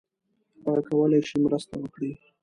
هغه کولای شي مرسته وکړي.